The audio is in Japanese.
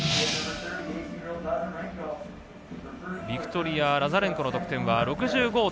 ビクトリヤ・ラザレンコの得点は６５．７７。